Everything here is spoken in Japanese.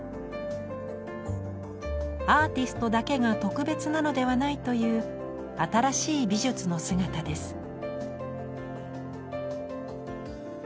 アーティストだけが特別なのではないという新しい美術の姿です。